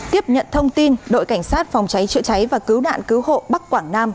tiếp nhận thông tin đội cảnh sát phòng cháy trựa cháy và cứu đạn cứu hộ bắc quảng nam